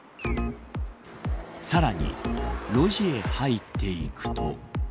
さらに路地へ入っていくと。